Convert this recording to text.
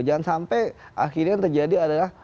jangan sampai akhirnya yang terjadi adalah